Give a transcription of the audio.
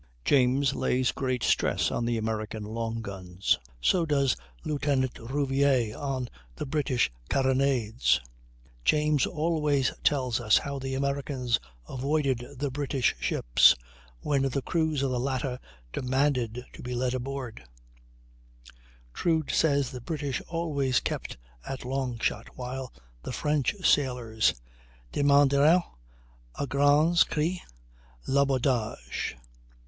James lays great stress on the American long guns; so does Lieutenant Rouvier on the British carronades. James always tells how the Americans avoided the British ships, when the crews of the latter demanded to be led aboard; Troude says the British always kept at long shot, while the French sailors "demandérent, à grands cris, l'abordage."